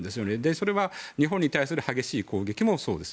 それは日本に対する激しい攻撃もそうです。